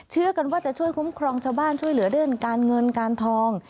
เชื่อกันว่าจะช่วยคุ้มครองชาวบ้านช่วยเหลือเรื่องการเงินการทอง